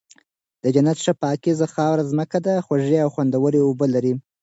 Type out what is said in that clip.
د جنت ښه پاکيزه خاورينه زمکه ده، خوږې او خوندوَري اوبه لري